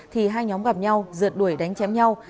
thì hai nhóm gặp nhau rượt đuổi đánh chém nhau